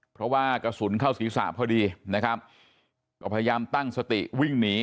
เพราะว่ากระสุนเข้าศีรษะพอดีนะครับก็พยายามตั้งสติวิ่งหนี